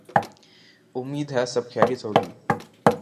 امید ہے سب خیریت ہو گی۔